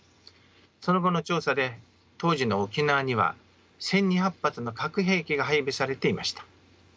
その後の調査で当時の沖縄には１，２００発の核兵器が配備されていました。